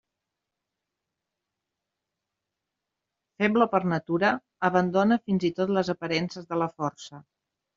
Feble per natura, abandona fins i tot les aparences de la força.